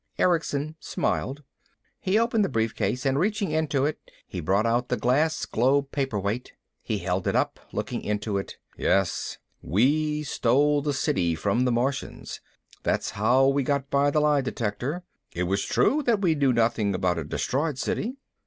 Erickson smiled. He opened the briefcase and reaching into it he brought out the glass globe paperweight. He held it up, looking into it. "Yes, we stole the City from the Martians. That's how we got by the lie detector. It was true that we knew nothing about a destroyed City."